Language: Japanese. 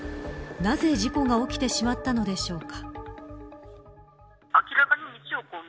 なぜ事故が起きてしまったのでしょうか。